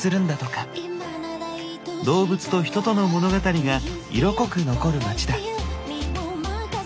「動物と人との物語」が色濃く残る街だ。